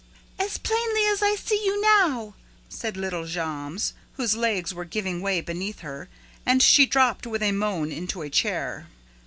"As plainly as I see you now!" said little Jammes, whose legs were giving way beneath her, and she dropped with a moan into a chair.